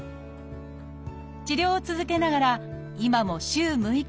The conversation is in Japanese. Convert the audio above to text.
治療を続けながら今も週６日